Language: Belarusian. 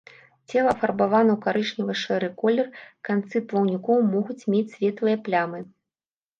Цела афарбавана ў карычнева-шэры колер, канцы плаўнікоў могуць мець светлыя плямы.